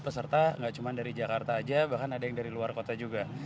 peserta nggak cuma dari jakarta aja bahkan ada yang dari luar kota juga